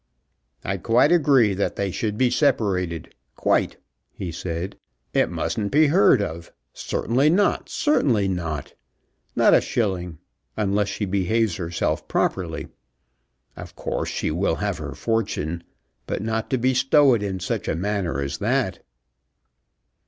"I quite agree that they should be separated; quite," he said. "It mustn't be heard of; certainly not; certainly not. Not a shilling, unless she behaves herself properly. Of course she will have her fortune, but not to bestow it in such a manner as that."